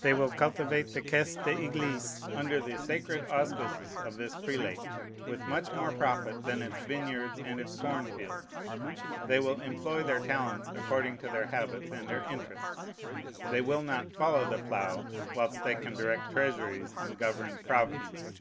They will cultivate the Caisse d'Église, under the sacred auspices of this prelate, with much more profit than its vineyards and its corn fields. They will employ their talents according to their habits and their interests. They will not follow the plough, whilst they can direct treasuries and govern provinces.